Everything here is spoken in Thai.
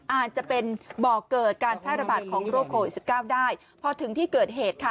อาจจะเป็นบอกเกิดการแทรกบาทของโรคโข๑๙ได้พอถึงที่เกิดเหตุค่ะ